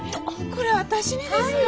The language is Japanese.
これ私にですか？